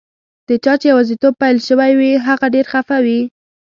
د چا چي یوازیتوب پیل شوی وي، هغه ډېر خفه وي.